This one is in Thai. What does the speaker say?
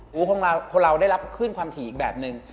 หูของเราได้รับคลื่นความถี่อีกแบบหนึ่ง